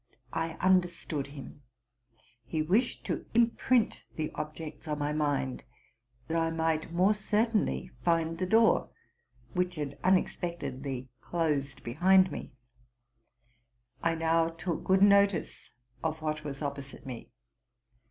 I understood him: he wished to imprint the objects on my mind, that I might the more certainly find the door, which had unexpectedly closed behind me. I now took good notice of what was opposite me.